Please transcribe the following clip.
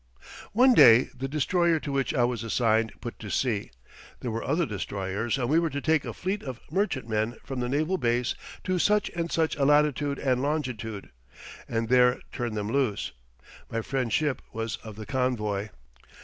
One day the destroyer to which I was assigned put to sea. There were other destroyers, and we were to take a fleet of merchantmen from the naval base to such and such a latitude and longitude, and there turn them loose. My friend's ship was of the convoy.